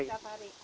iya setiap hari